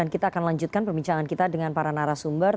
kita akan lanjutkan perbincangan kita dengan para narasumber